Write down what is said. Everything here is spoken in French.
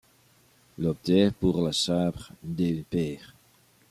Il opta pour la Chambre des pairs.